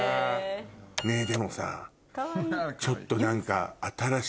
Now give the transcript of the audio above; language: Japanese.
でもさちょっと何か。